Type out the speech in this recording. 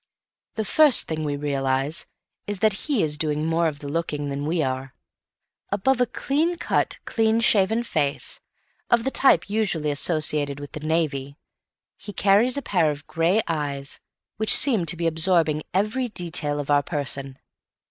The first thing we realize is that he is doing more of the looking than we are. Above a clean cut, clean shaven face, of the type usually associated with the Navy, he carries a pair of grey eyes which seem to be absorbing every detail of our person.